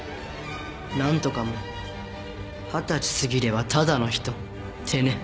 何とかも二十歳すぎればただの人ってね。